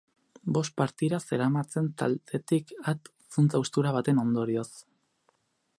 Bost partida zeramatzen taldetik at zuntz haustura baten ondorioz.